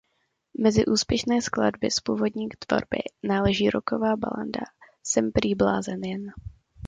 Mezi úspěšné skladby z původní tvorby náleží rocková balada "Jsem prý blázen jen".